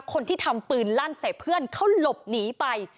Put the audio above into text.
คนที่ทำปืนลั่นใส่เพื่อนเขาหลบหนีไป